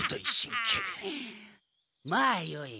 まあよい。